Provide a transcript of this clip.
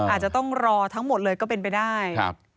อาจจะต้องรอทั้งหมดเลยก็เป็นไปได้